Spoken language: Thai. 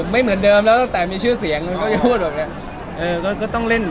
ไม่เหมือนเดิมแล้วตั้งแต่มีชื่อเสียงเขาจะพูดแบบเนี้ยเออก็ก็ต้องเล่น